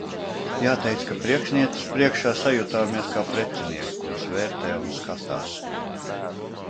Jāteic, ka priekšnieces priekšā sajutāmies kā precinieki, kurus vērtē un skatās.